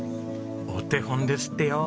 お手本ですってよ！